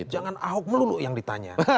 jangan ahok melulu yang ditanya